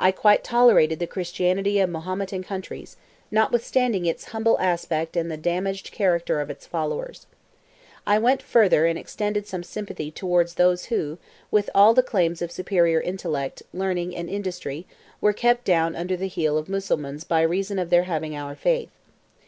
I quite tolerated the Christianity of Mahometan countries, notwithstanding its humble aspect and the damaged character of its followers. I went further and extended some sympathy towards those who, with all the claims of superior intellect, learning, and industry, were kept down under the heel of the Mussulmans by reason of their having our faith.